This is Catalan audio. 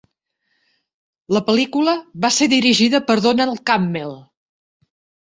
La pel·lícula va ser dirigida per Donald Cammell.